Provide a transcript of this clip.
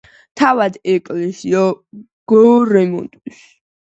თავად ეკლესია გაარემონტეს.